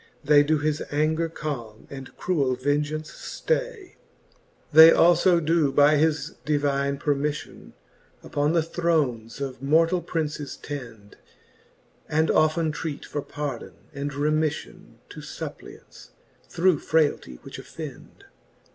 They doe his anger calme, and cruell vengeance ftay. XXXII. They alfo doe by his divine permiffion Upon the thrones of mortall Princes tend, And often treat for pardon and reraifllon To fuppliants, through frayltie which offend.